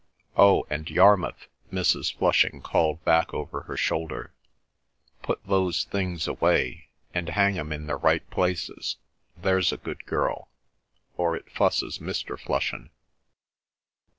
"Oh, and Yarmouth," Mrs. Flushing called back over her shoulder. "Put those things away and hang 'em in their right places, there's a good girl, or it fusses Mr. Flushin'."